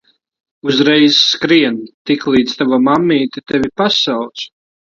Uzreiz skrien, tiklīdz tava mammīte tevi pasauc!